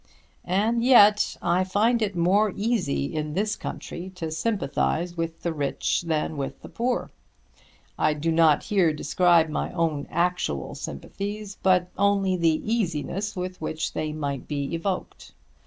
And yet I find it more easy in this country to sympathise with the rich than with the poor. I do not here describe my own actual sympathies, but only the easiness with which they might be evoked.